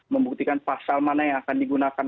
membuktikan pasal mana yang akan digunakan